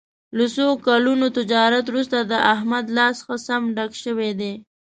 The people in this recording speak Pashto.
له څو کلونو تجارت ورسته د احمد لاس ښه سم ډک شوی دی.